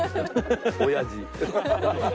おやじ。